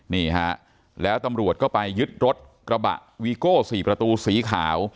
นี่ฮะแล้วตำรวจก็ไปยึดรถกระบะวีโก้๔ประตูสีขาว